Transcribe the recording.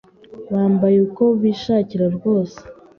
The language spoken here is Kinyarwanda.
bambaye uko bishakiye rwose